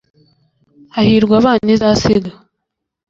hahirwa abana izasiga